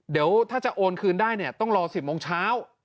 เดี๋ยวถ้าจะโอนคืนได้เนี่ยต้องรอ๑๐โมงเช้า